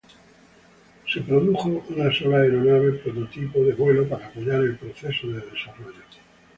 Se produjo una sola aeronave prototipo de vuelo para apoyar el proceso de desarrollo.